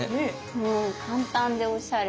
もう簡単でおしゃれ。